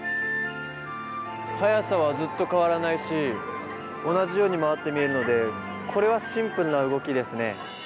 速さはずっと変わらないし同じように回って見えるのでこれはシンプルな動きですね。